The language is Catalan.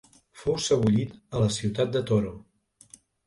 Fou sebollit a la ciutat de Toro.